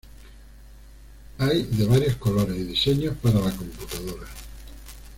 Hay de varios colores y diseños para la computadora.h